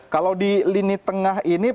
kalau di lini tengah ini